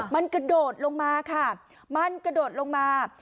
มันกระโดดลงมาค่ะมันกระโดดลงมา